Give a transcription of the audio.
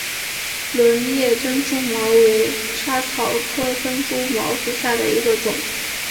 轮叶珍珠茅为莎草科珍珠茅属下的一个种。